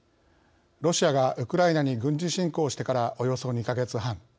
ロシアがウクライナに軍事侵攻してからおよそ２か月半。